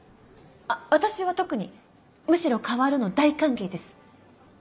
私は特にむしろ変わるの大歓迎です！